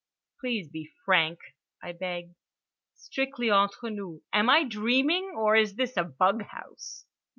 "Please be frank," I begged. "Strictly entre nous: am I dreaming, or is this a bug house?"